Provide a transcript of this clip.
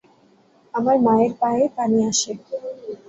আমার মায়ের পায়ে পানি আসে।